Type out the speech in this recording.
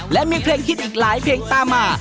และมีเพลงฮิตอีกหลายเพลงตามมา